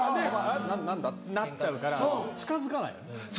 「あ？何だ？」ってなっちゃうから近づかないよね